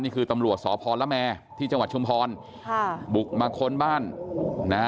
นี่คือตำรวจสพละแมที่จังหวัดชุมพรค่ะบุกมาค้นบ้านนะฮะ